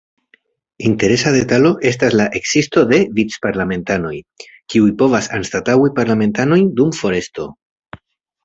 Interesa detalo estas la ekzisto de "vic-parlamentanoj", kiuj povas anstataŭi parlamentanojn dum foresto.